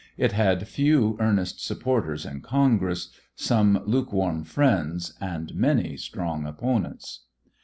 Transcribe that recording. It had few earnest supporters in Congress, some lukewarm friends, and many strong opponents.